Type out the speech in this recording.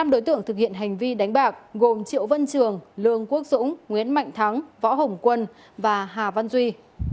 năm đối tượng thực hiện hành vi đánh bạc gồm triệu vân trường lương quốc dũng nguyễn mạnh thắng võ hồng quân và hà văn duy